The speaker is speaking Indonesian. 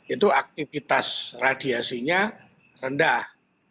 itu aktivitas radiasinya rendah